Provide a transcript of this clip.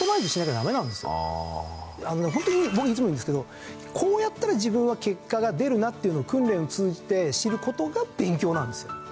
ホントに僕いつも言うんですけどこうやったら自分は結果が出るなっていうのを訓練を通じて知る事が勉強なんですよ。